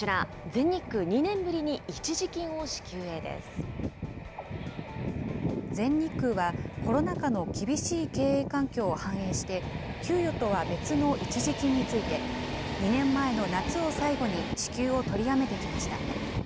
全日空はコロナ禍の厳しい経営環境を反映して、給与とは別の一時金について、２年前の夏を最後に支給を取りやめてきました。